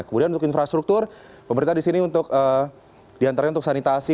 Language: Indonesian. kemudian untuk infrastruktur pemerintah disini untuk diantaranya untuk sanitasi